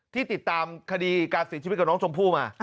ที่ติดตามคดีการศิลปิกกับน้องจมพู่มา